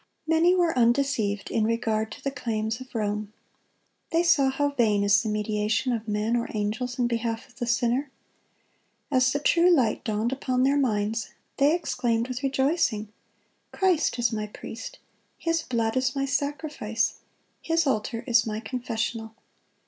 (103) Many were undeceived in regard to the claims of Rome. They saw how vain is the mediation of men or angels in behalf of the sinner. As the true light dawned upon their minds, they exclaimed with rejoicing, "Christ is my priest; His blood is my sacrifice; His altar is my confessional."